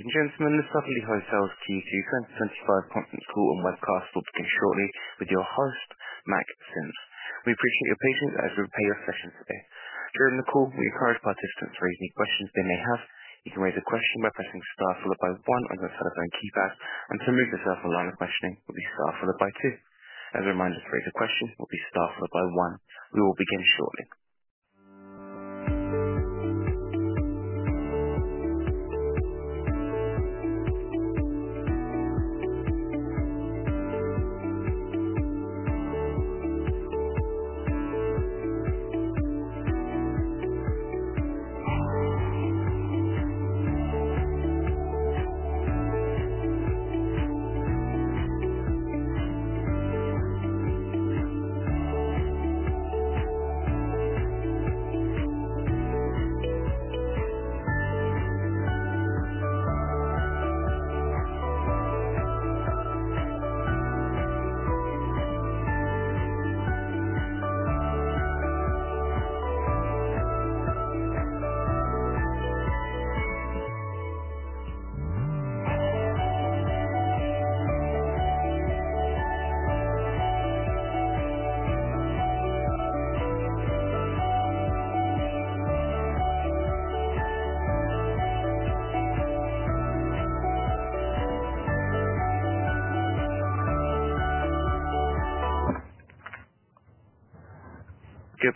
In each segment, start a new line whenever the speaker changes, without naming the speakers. Introducing the Sotherly Hotels Q2 2025 conference call and webcast will begin shortly with your host, Mack Sims. We appreciate your patience as we prepare your session today. During the call, we encourage participants to raise any questions they may have. You can raise a question by pressing the star followed by the one on your telephone keypad, and to remove the star following the questioning, it will be star followed by two. As a reminder, to raise a question, it will be star followed by one, and we will begin shortly.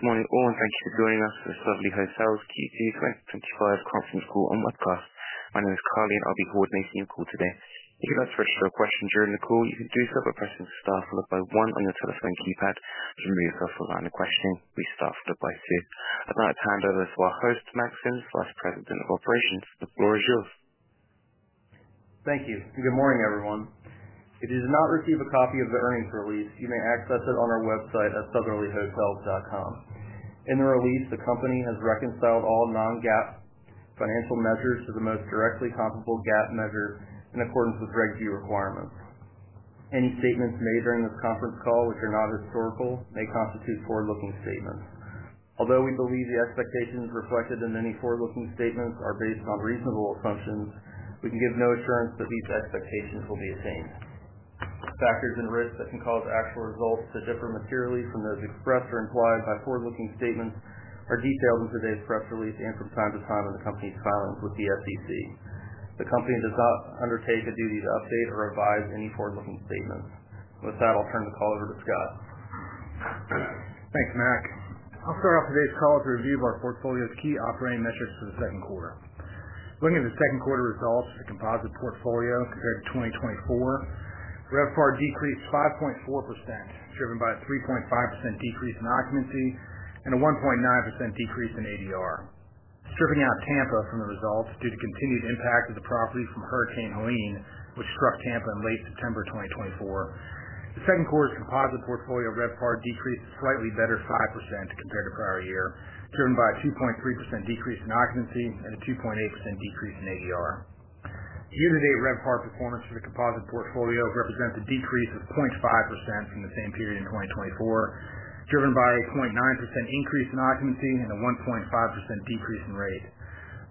Good morning all and thank you for joining us for the Sotherly Hotels Q2 2025 conference call and webcast. My name is Carly and I'll be coordinating your call today. If you have further questions during the call, you can do so by pressing the star followed by one on your telephone keypad, and remove the star following the question, it will be star followed by two. I'd like to hand over to our host, Mack Sims, Vice President of Operations. The floor is yours.
Thank you. Good morning, everyone. If you did not receive a copy of the earnings release, you may access it on our website at sotherlyhotels.com. In the release, the company has reconciled all non-GAAP financial measures to the most directly comparable GAAP measure in accordance with the Reg V requirement. Any statements made during the conference call, which are not historical, may constitute forward-looking statements. Although we believe the expectations reflected in many forward-looking statements are based on reasonable assumptions, we can give no assurance that these expectations will be attained. Factors and risks that can cause actual results to differ materially from those expressed or implied by forward-looking statements are detailed in today's press release and from time to time in the company's filings with the SEC. The company does not undertake the duty to update or revise any forward-looking statements. With that, I'll turn the call over to Scott.
Thanks, Mack. I'll start off today's call with a review of our portfolio's key operating metrics for the second quarter. Looking at the second quarter results, the composite portfolio for 2024, RevPAR decreased 5.4%, driven by a 3.5% decrease in occupancy and a 1.9% decrease in ADR. Stripping out Tampa from the results due to the continued impact of the property from Hurricane Helene, which struck Tampa in late September 2024, the second quarter's composite portfolio RevPAR decreased slightly better 5% compared to prior year, driven by a 2.3% decrease in occupancy and a 2.8% decrease in ADR. The year-to-date RevPAR performance for the composite portfolio represents a decrease of 0.5% from the same period in 2024, driven by a 0.9% increase in occupancy and a 1.5% decrease in rate.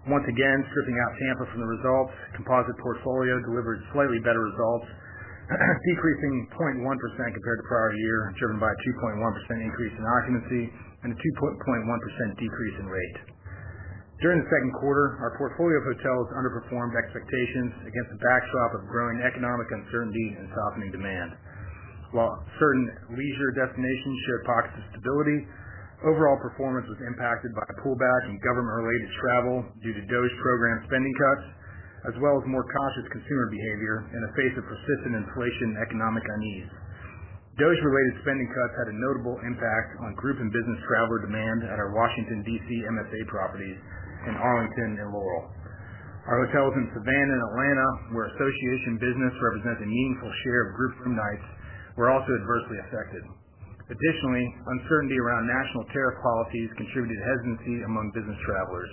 Once again, stripping out Tampa from the results, the composite portfolio delivered slightly better results, decreasing 0.1% compared to prior year, driven by a 2.1% increase in occupancy and a 2.1% decrease in rate. During the second quarter, our portfolio of hotels underperformed expectations against a backdrop of growing economic uncertainty and softening demand. While certain leisure destinations showed pockets of stability, overall performance was impacted by pullback in government-related travel due to DOGE program spending cuts, as well as more cautious consumer behavior in the face of persistent inflation and economic unease. DOGE-related spending cuts had a notable impact on group and business traveler demand at our Washington, DC MFA properties in Arlington and Laurel. Our hotels in Savannah and Atlanta, where association business represents a meaningful share of group room nights, were also adversely affected. Additionally, uncertainty around national tariff policies contributed to hesitancy among business travelers,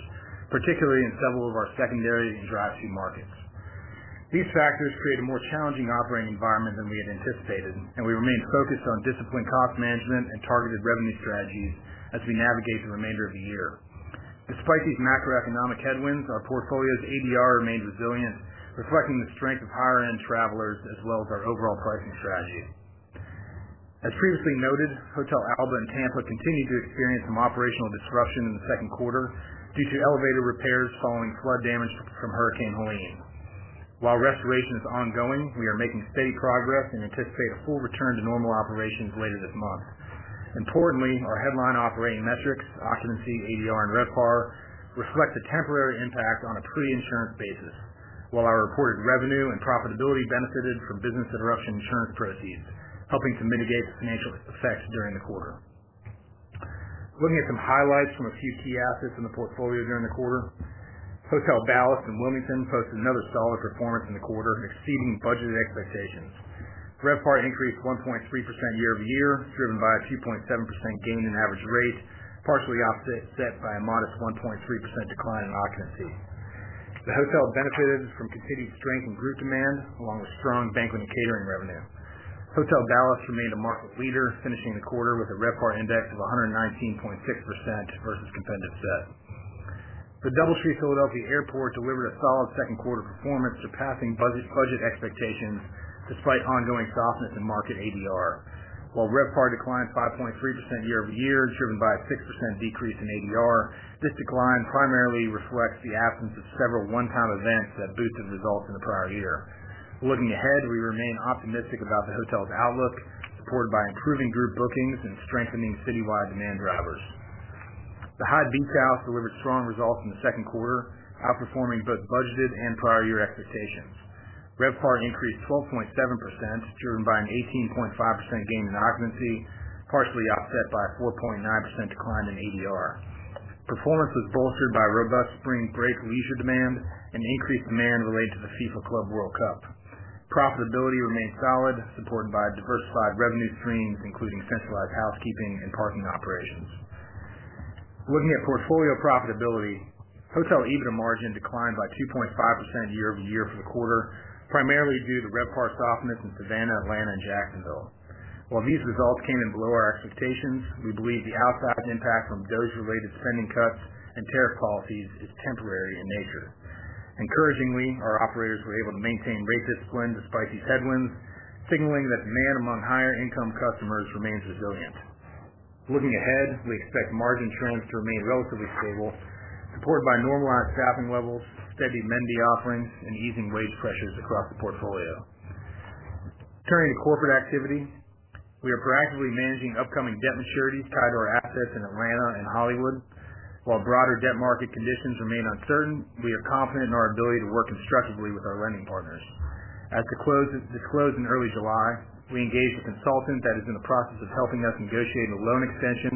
particularly in several of our secondary and drive-through markets. These factors create a more challenging operating environment than we had anticipated, and we remain focused on disciplined cost management and targeted revenue strategies as we navigate the remainder of the year. Despite these macroeconomic headwinds, our portfolio's ADR remains resilient, reflecting the strength of higher-end travelers as well as our overall pricing strategy. As previously noted, Hotel Alba in Tampa continued to experience some operational disruption in the second quarter due to elevator repairs following flood damage from Hurricane Helene. While restoration is ongoing, we are making steady progress and anticipate a full return to normal operations later this month. Importantly, our headline operating metrics, occupancy, ADR, and RevPAR, reflect a temporary impact on a pre-insurance basis, while our reported revenue and profitability benefited from business interruption insurance proceeds, helping to mitigate the financial effects during the quarter. Looking at some highlights from a few key assets in the portfolio during the quarter, Hotel Ballast in Wilmington posted another solid performance in the quarter, exceeding budgeted expectations. RevPAR increased 1.3% year-over-year, driven by a 2.7% gain in average rate, partially offset by a modest 1.3% decline in occupancy. The hotel benefited from continued strength in group demand, along with strong banking and catering revenue. Hotel Ballast remained a market leader, finishing the quarter with a RevPAR index of 119.6% versus competitive sets. The DoubleTree by Hilton Philadelphia Airport delivered a solid second-quarter performance, surpassing budget expectations despite ongoing softness in market ADR. While RevPAR declined 5.3% year-over-year, driven by a 6% decrease in ADR, this decline primarily reflects the absence of several one-time events that boosted results in the prior year. Looking ahead, we remain optimistic about the hotel's outlook, supported by improving group bookings and strengthening city-wide demand drivers. The Hyatt Beach House delivered strong results in the second quarter, outperforming both budgeted and prior-year expectations. RevPAR increased 12.7%, driven by an 18.5% gain in occupancy, partially offset by a 4.9% decline in ADR. Performance was bolstered by robust spring break leisure demand and increased demand related to the FIFA Club World Cup. Profitability remained solid, supported by diversified revenue streams, including centralized housekeeping and parking operations. Looking at portfolio profitability, hotel EBITDA margin declined by 2.5% year-over-year for the quarter, primarily due to RevPAR softness in Savannah, Atlanta, and Jacksonville. While these results came in below our expectations, we believe the outside impact from DOGE-related spending cuts and tariff policies is temporary in nature. Encouragingly, our operators were able to maintain rate discipline despite these headwinds, signaling that demand among higher-income customers remains resilient. Looking ahead, we expect margin trends to remain relatively stable, supported by normalized staffing levels, steady amenity offerings, and easing wage pressures across the portfolio. Turning to corporate activity, we are proactively managing upcoming debt maturities tied to our assets in Atlanta and Hollywood. While broader debt market conditions remain uncertain, we are confident in our ability to work constructively with our lending partners. At the close of this quarter in early July, we engaged a consultant that is in the process of helping us negotiate a loan extension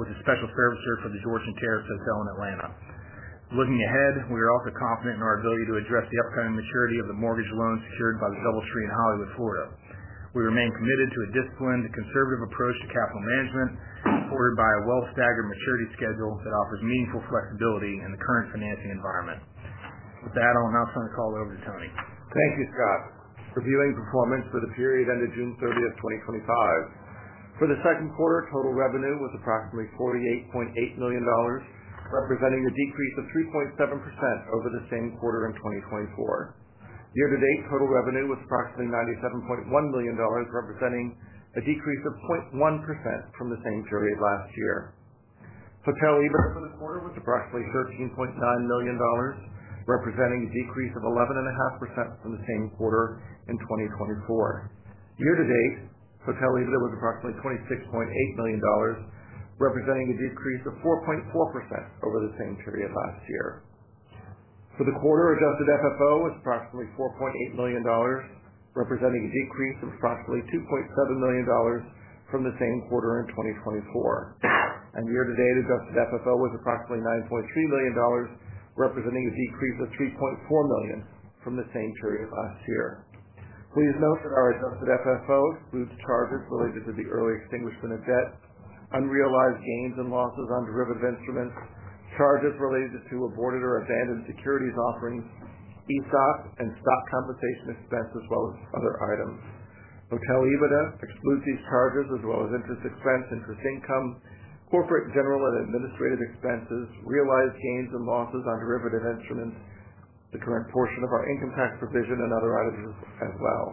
with a special servicer for the Georgian Terrace in Atlanta. Looking ahead, we are also confident in our ability to address the upcoming maturity of the mortgage loans secured by the DoubleTree Resort in Hollywood, Florida. We remain committed to a disciplined, conservative approach to capital management, supported by a well-staged maturity schedule that offers meaningful flexibility in the current financing environment. With that, I'll now turn the call over to Tony.
Thank you, Scott. Reviewing performance for the period ended June 30, 2025. For the second quarter, total revenue was approximately $48.8 million, representing a decrease of 3.7% over the same quarter in 2024. Year-to-date total revenue was approximately $97.1 million, representing a decrease of 0.1% from the same period last year. Hotel EBITDA for the quarter was approximately $13.9 million, representing a decrease of 11.5% from the same quarter in 2024. Year-to-date, Hotel EBITDA was approximately $26.8 million, representing a decrease of 4.4% over the same period last year. For the quarter, adjusted FFO was approximately $4.8 million, representing a decrease of approximately $2.7 million from the same quarter in 2024. Year-to-date, adjusted FFO was approximately $9.2 million, representing a decrease of $3.4 million from the same period last year. Please note that our adjusted FFOs include charges related to the early extinguishment of debt, unrealized gains and losses on derivative instruments, charges related to aborted or abandoned securities offerings, ESOP, and stock compensation expenses, as well as other items. Hotel EBITDA excludes these charges, as well as interest expense, interest income, corporate general and administrative expenses, realized gains and losses on derivative instruments, the current portion of our income tax provision, and other items as well.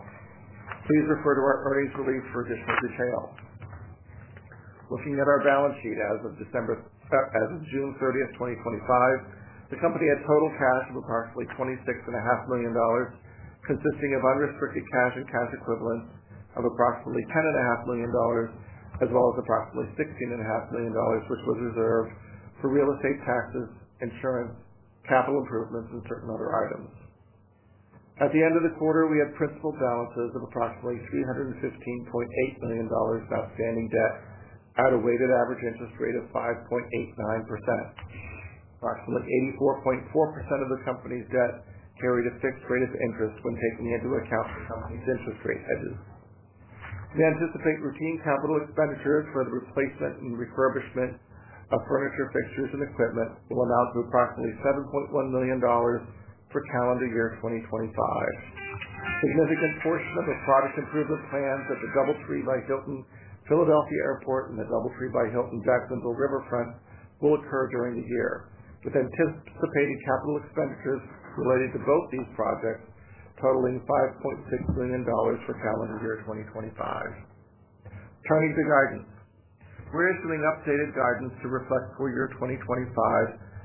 Please refer to our earnings release for additional details. Looking at our balance sheet as of June 30, 2025, the company had total cash of approximately $26.5 million, consisting of unrestricted cash and cash equivalents of approximately $10.5 million, as well as approximately $16.5 million for closed reserves for real estate taxes, insurance, capital improvements, and certain other items. At the end of the quarter, we had principal balances of approximately $315.8 million in outstanding debt at a weighted average interest rate of 5.89%. Approximately 84.4% of the company's debt carried a fixed rate of interest when taking into account the company's interest rate hedges. We anticipate routine capital expenditures for the replacement and refurbishment of furniture, fixtures, and equipment will amount to approximately $7.1 million for calendar year 2025. A significant portion of the project improvement plans at the DoubleTree by Hilton Philadelphia Airport and the DoubleTree by Hilton Jacksonville Riverfront will occur during the year, with anticipated capital expenditures related to both these projects totaling $5.6 million for calendar year 2025. Turning to guidance, we're issuing updated guidance to reflect for year 2025,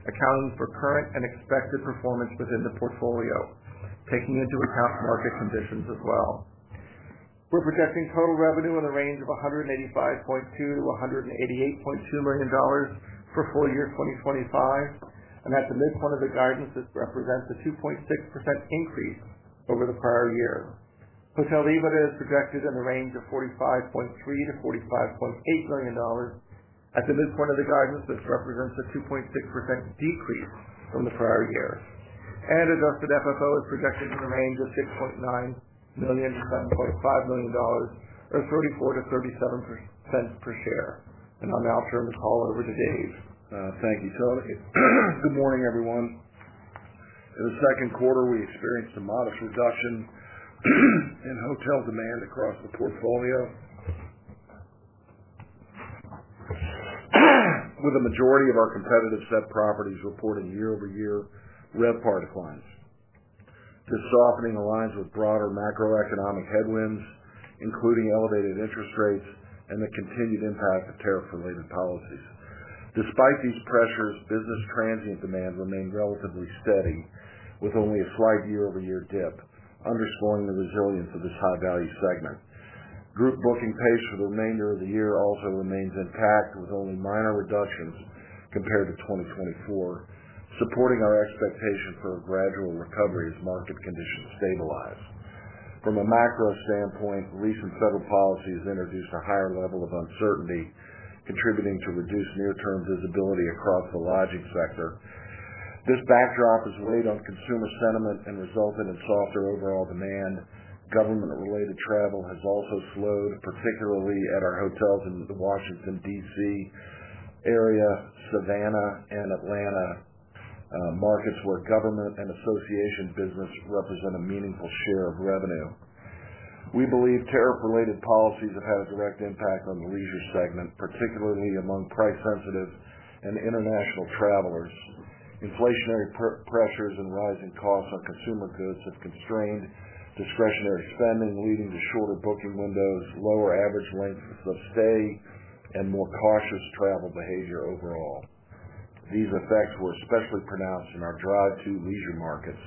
accounting for current and expected performance within the portfolio, taking into account market conditions as well. We're projecting total revenue in the range of $185.2 million-$188.2 million for full year 2025, and at the midpoint of the guidance, this represents a 2.6% increase over the prior year. Hotel EBITDA is projected in the range of $45.3 million-$45.8 million. At the midpoint of the guidance, this represents a 2.6% decrease from the prior year. Adjusted FFO is projected in the range of $6.9 million-$7.5 million, or $0.34 to $0.37 per share. I'll now turn the call over to Dave.
Thank you, Scott. Good morning, everyone. In the second quarter, we experienced a modest reduction in hotel demand across the portfolio, with a majority of our competitive set properties reporting year-over-year RevPAR declines. This softening aligns with broader macroeconomic headwinds, including elevated interest rates and the continued impact of tariff-related policies. Despite these pressures, business transient demand remained relatively steady, with only a slight year-over-year dip underscoring the resilience of this high-value segment. Group booking pace for the remainder of the year also remains intact, with only minor reductions compared to 2024, supporting our expectation for a gradual recovery as market conditions stabilize. From a macro standpoint, lease and settlement policies introduced a higher level of uncertainty, contributing to reduced near-term visibility across the lodging sector. This backdrop has weighed on consumer sentiment and resulted in softer overall demand. Government-related travel has also slowed, particularly at our hotels in the Washington, DC area, Savannah, and Atlanta, markets where government and association business represent a meaningful share of revenue. We believe tariff-related policies have had a direct impact on the leasing segment, particularly among pre-competitive and international travelers. Inflationary pressures and rising costs on consumer goods have constrained discretionary spending, leading to shorter booking windows, lower average lengths of stay, and more cautious travel behavior overall. These effects were especially pronounced in our drive-through leisure markets,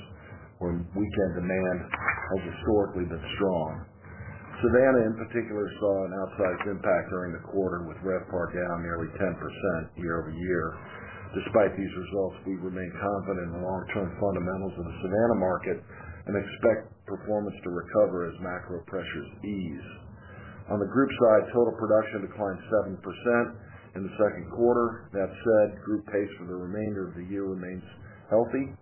where weekend demand held historically this strong. Savannah, in particular, saw an outsized impact during the quarter, with RevPAR down nearly 10% year-over-year. Despite these results, we remain confident in the long-term fundamentals of the Savannah market and expect performance to recover as macro pressures ease. On the group side, total production declined 7% in the second quarter. That said, group pace for the remainder of the year remains healthy,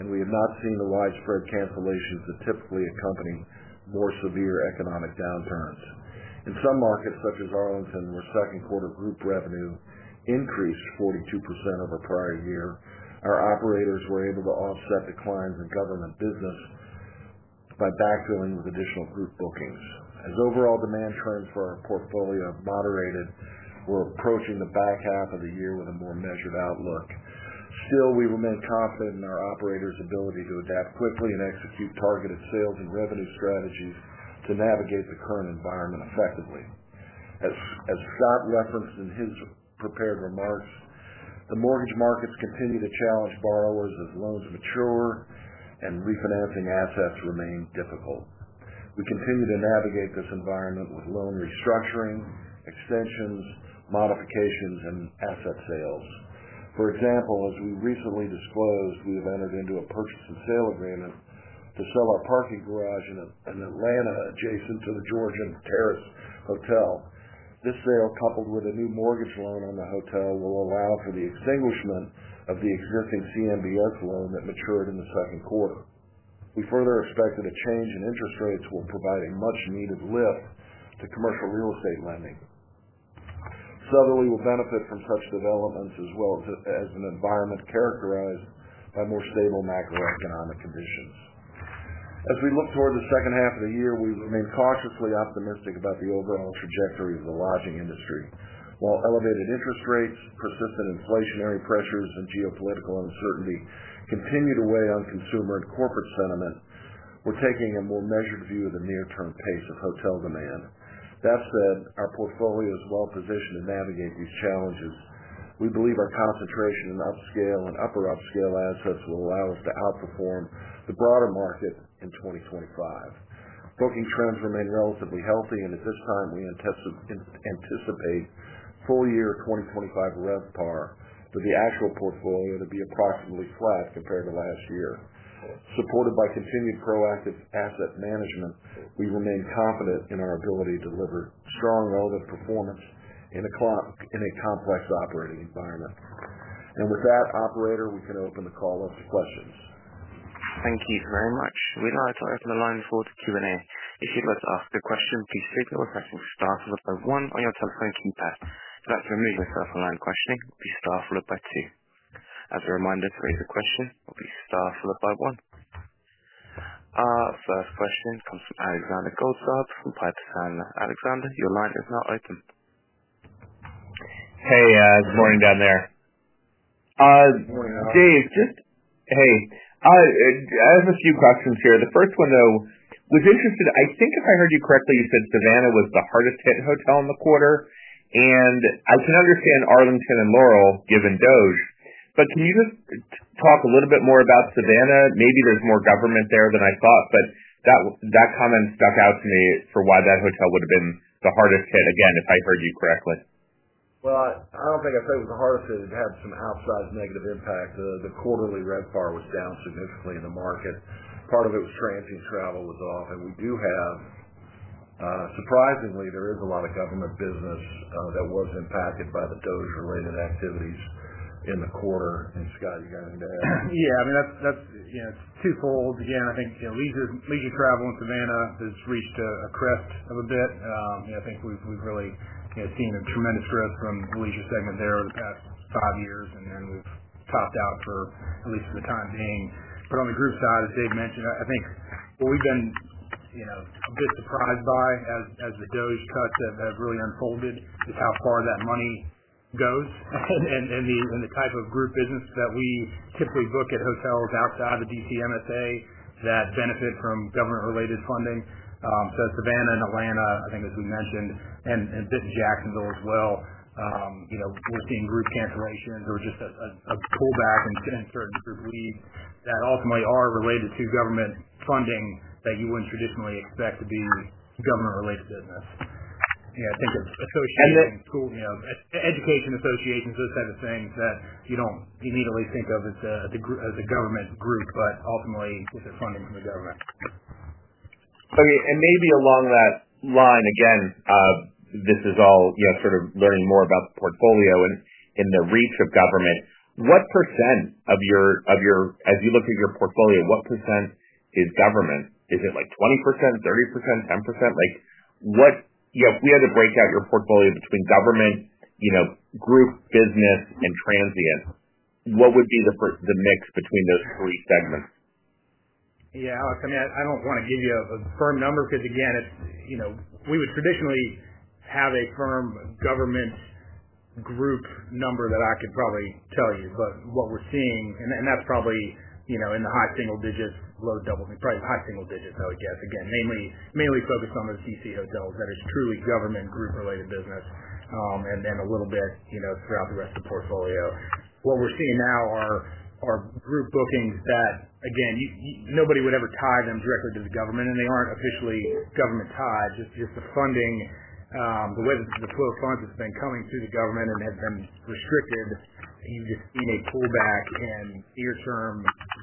and we have not seen the widespread cancellations that typically accompany more severe economic downturns. In some markets, such as Arlington, where second-quarter group revenue increased 42% over prior year, our operators were able to offset declines in government business by backfilling with additional group booking. As overall demand trends for our portfolio have moderated, we're approaching the back half of the year with a more measured outlook. Still, we remain confident in our operators' ability to adapt quickly and execute targeted sales and revenue strategies to navigate the current environment effectively. As Scott referenced in his prepared remarks, the mortgage markets continue to challenge borrowers as loans mature and refinancing assets remain difficult. We continue to navigate this environment with loan restructuring, extensions, modifications, and asset sales. For example, as we recently disclosed, we have entered into a purchase and sale agreement to sell our parking garage in Atlanta, adjacent to the Georgian Terrace. This sale, coupled with a new mortgage loan on the hotel, will allow for the extinguishment of the existing CMB ERCO loan that matured in the second quarter. We further expect that a change in interest rates will provide a much-needed lift to commercial real estate lending. Sotherly will benefit from such developments as well as an environment characterized by more stable macro-economic conditions. As we look toward the second half of the year, we remain cautiously optimistic about the overall trajectory of the lodging industry. While elevated interest rates, persistent inflationary pressures, and geopolitical uncertainty continue to weigh on consumer and corporate sentiment, we're taking a more measured view of the near-term pace of hotel demand. That said, our portfolio is well-positioned to navigate these challenges. We believe our concentration in upscale and upper upscale assets will allow us to outperform the broader market in 2025. Booking trends remain relatively healthy, and at this time, we anticipate full-year 2025 RevPAR for the actual portfolio to be approximately flat compared to last year. Supported by continued proactive asset management, we remain confident in our ability to deliver strong relative performance in a complex operating environment. With that, operator, we can open the call up to questions.
Thank you very much. We now refer to the line for the Q&A. If you'd like to ask a question, please take your question and start it up by one on your telephone keypad. That's a meaningful self-aligning question. Please start it up by two. As a reminder, to raise a question, it will be star followed by one. Our first question comes from Alexander Goldfarb from Piper Sandler. Alexander, your line is now open.
Hey, good morning down there.
Morning there.
Dave, I have a few questions here. The first one, though, was interested. I think if I heard you correctly, you said Savannah was the hardest-hit hotel in the quarter. I can understand Arlington and Laurel, given DOGE. Can you just talk a little bit more about Savannah? Maybe there's more government there than I thought, but that comment stuck out to me for why that hotel would have been the hardest hit, again, if I heard you correctly.
I don't think I said it was the hardest hit. It had some outsized negative impact. The quarterly RevPAR was down significantly in the market. Part of it was transient travel was off. We do have, surprisingly, there is a lot of government business that was impacted by the DOGE-related activities in the quarter. Scott, you're going to.
Yeah, I mean, that's, you know, it's twofold. I think, you know, leisure travel in Savannah has reached a crest a bit. I think we've really, you know, seen a tremendous growth from the leisure segment there over the past five years, and then we've topped out at least for the time being. On the group side, as Dave mentioned, I think what we've been a bit surprised by as the DOGE cuts have really unfolded is how far that money goes, and the type of group business that we typically book at hotels outside of the DC MSA that benefit from government-related funding. Savannah and Atlanta, I think, as we mentioned, and a bit in Jacksonville as well, within group cancellations or just a pullback in certain group leads that ultimately are related to government funding that you wouldn't traditionally expect to be government-related business. I think of association and school, you know, education associations, those types of things that you don't immediately think of as a government group, but ultimately with their funding from the government.
Maybe along that line, this is all, you know, sort of learning more about the portfolio and the reach of government. What % of your, as you look at your portfolio, what % is government? Is it like 20%, 30%, 10%? If we had to break out your portfolio between government, group business, and transient, what would be the mix between those three segments?
Yeah, Alex, I mean, I don't want to give you a firm number because, again, it's, you know, we would traditionally have a firm government group number that I could probably tell you. What we're seeing, and that's probably, you know, in the high single digits, low doubles, and probably high single digits, I would guess, again, mainly focused on those DC hotels that is truly government group-related business, and then a little bit, you know, throughout the rest of the portfolio. What we're seeing now are our group bookings that, again, nobody would ever tie them directly to the government, and they aren't officially government tied. It's just the funding, the way that the pool of funds has been coming through the government and has been restricted. You've just seen a pullback in near-term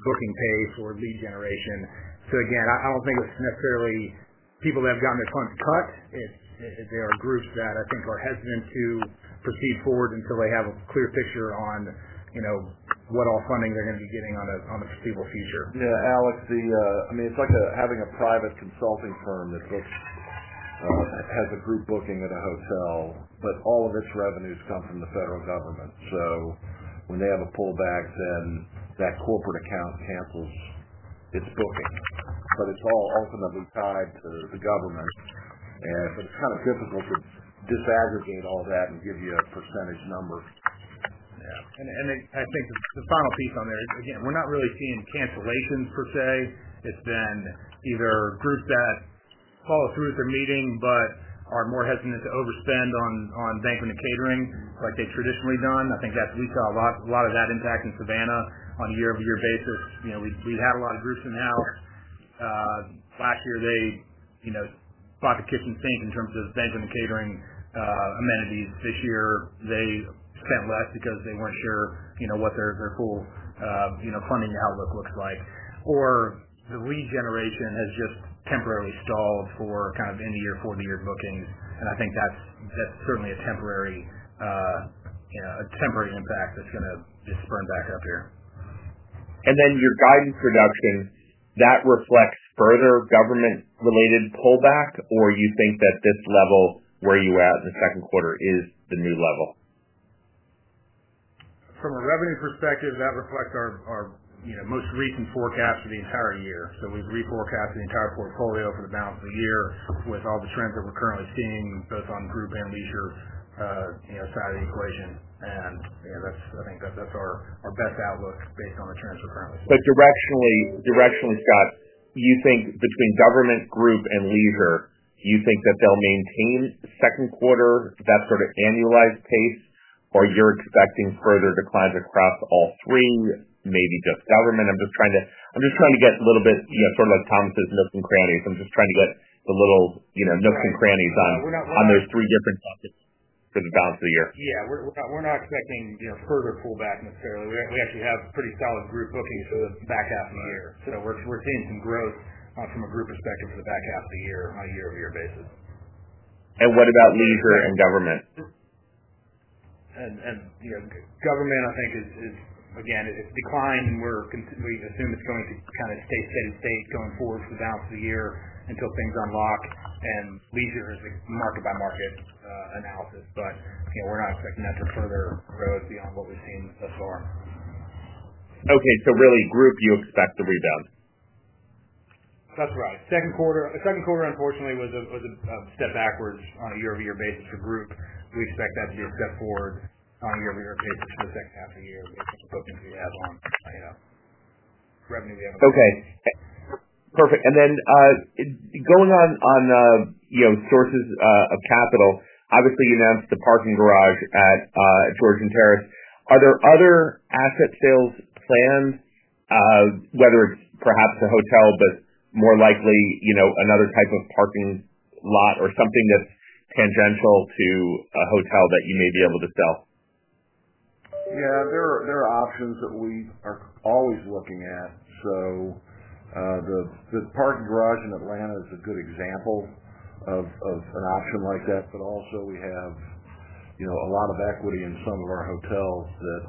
booking pay for lead generation. I don't think it's necessarily people that have gotten their funds cut. There are groups that I think are hesitant to proceed forward until they have a clear picture on, you know, what all funding they're going to be getting on a foreseeable future.
Yeah, Alex, it's like having a private consulting firm that's looked, has a group booking at a hotel, but all of its revenues come from the federal government. When they have a pullback, that corporate account cancels its booking. It's all ultimately tied to the government. It's kind of difficult to disaggregate all that and give you a percentage number.
Yeah. I think the final piece on there, again, we're not really seeing cancellations per se. It's been either groups that follow through with their meeting but are more hesitant to overspend on banking and catering like they've traditionally done. I think that's a lot of that impact in Savannah on a year-over-year basis. We've had a lot of groups in-house last year, they fought the kitchen sink in terms of banking and catering, amenities. This year, they spent less because they weren't sure what their full funding outlook looks like. The lead generation has just temporarily stalled for kind of end-of-year, forward-of-year booking. I think that's certainly a temporary impact that's going to just spurn back up here.
Does your guidance reduction reflect further government-related pullback, or do you think that this level where you were at in the second quarter is the new level?
From a revenue perspective, that reflects our most recent forecast for the entire year. We've reforecast the entire portfolio for the balance of the year with all the trends that we're currently seeing, both on group and leisure side of the equation. I think that that's our best outlook based on our trends we're currently seeing.
Scott, you think between government, group, and leisure, you think that they'll maintain second quarter that sort of annualized pace, or you're expecting further declines across all three, maybe just government? I'm just trying to get a little bit, you know, sort of like Thomas's nooks and crannies. I'm just trying to get a little, you know, nooks and crannies on those three different buckets for the balance of the year.
Yeah, we're not expecting further pullback necessarily. We actually have pretty solid group bookings for the back half of the year. We're seeing some growth from a group perspective for the back half of the year on a year-over-year basis.
What about leisure and government?
Government, I think, is, again, it's declined, and we assume it's going to kind of stay steady state going forward for the balance of the year until things unlock. Leisure is a market-by-market analysis. We're not expecting that to further grow beyond what we've seen so far.
Okay. You expect the group rebound?
That's right. Second quarter, unfortunately, was a step backwards on a year-over-year basis for group. We expect that to be a step forward on a year-over-year basis for the next half of the year. It's a revenue down.
Okay. Perfect. Going on, you know, sources of capital, obviously, you announced the parking garage at Georgian Terrace. Are there other asset sales planned, whether it's perhaps a hotel, but more likely, you know, another type of parking lot or something that's tangential to a hotel that you may be able to sell?
Yeah, there are options that we are always looking at. The parking garage in Atlanta is a good example of an option like that. We have a lot of equity in some of our hotels that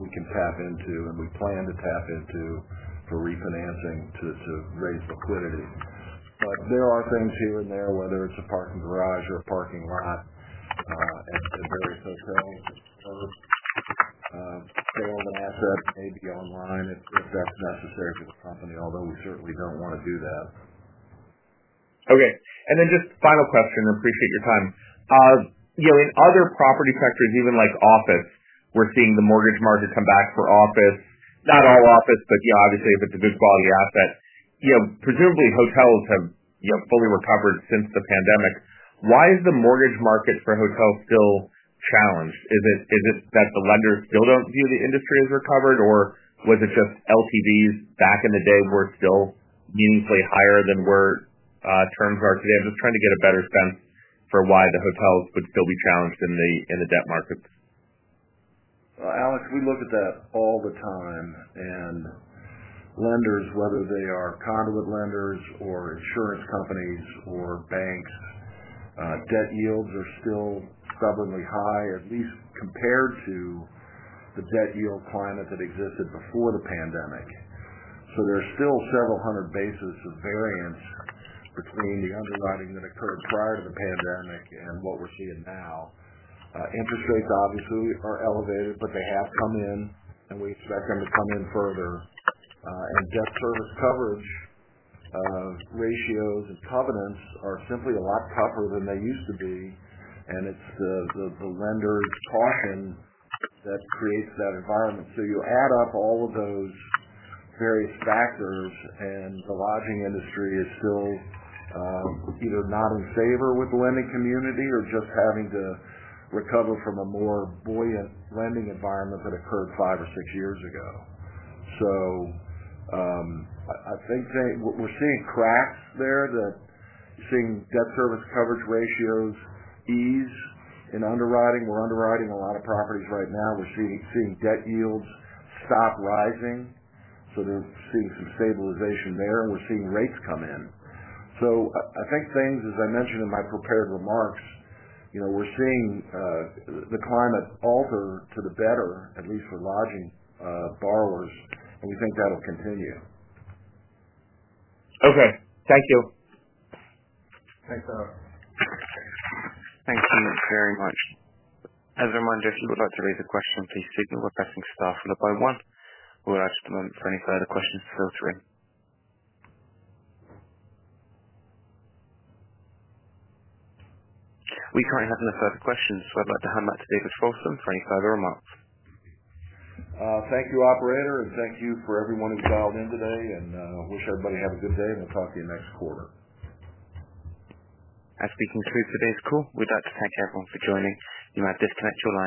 we can tap into, and we plan to tap into for refinancing to raise liquidity. There are things here and there, whether it's a parking garage or a parking lot, at various hotels. Very good company, although we certainly don't want to do that.
Okay. Final question. I appreciate your time. You know, in other property sectors, even like office, we're seeing the mortgage market come back for office, not our office, but, you know, obviously, if it's a good quality asset. Presumably, hotels have fully recovered since the pandemic. Why is the mortgage market for hotels still challenged? Is it that the lenders still don't view the industry as recovered, or was it just LTVs back in the day were still meaningfully higher than where terms are today? I'm just trying to get a better sense for why the hotels would still be challenged in the debt market.
Alex, we look at that all the time. Lenders, whether they are conduit lenders or insurance companies or banks, debt yields are still stubbornly high, at least compared to the debt yield climate that existed before the pandemic. There are still several hundred basis of variance between the underwriting that occurred prior to the pandemic and what we're seeing now. Interest rates, obviously, are elevated, but they have come in, and we expect them to come in further. Debt service coverage ratios and covenants are simply a lot tougher than they used to be. It's the lenders' caution that creates that environment. You add up all of those various factors, and the lodging industry is still either not in favor with the lending community or just having to recover from a more buoyant lending environment that occurred five or six years ago. I think that we're seeing cracks there, that you're seeing debt service coverage ratios ease in underwriting. We're underwriting a lot of properties right now. We're seeing debt yields stop rising, so they're seeing some stabilization there, and we're seeing rates come in. I think things, as I mentioned in my prepared remarks, we're seeing the climate alter to the better, at least for lodging borrowers. We think that'll continue.
Okay, thank you.
Thanks you.
Thanks, team, very much. Has everyone just would like to raise a question on these statements? We're passing staff on it by one. We'll ask at the moment for any further questions filtering. We currently have no further questions, so I'd like to hand back to David Folsom for any further remarks.
Thank you, operator, and thank you to everyone who dialed in today. I wish everybody to have a good day, and we'll talk to you next quarter.
As we conclude today's call, we'd like to thank everyone for joining. We might disconnect your line.